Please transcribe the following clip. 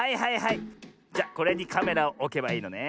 じゃこれにカメラをおけばいいのね。